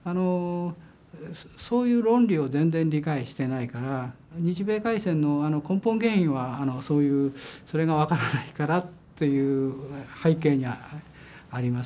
そういう論理を全然理解してないから日米開戦の根本原因はそういうそれが分からないからっていう背景がありますけど。